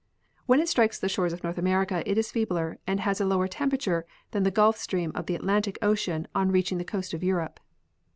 When it strikes the shores of North America it is feebler and has a lower temperature than the Gulf stream of the Atlantic ocean on reaching the coast of Europe.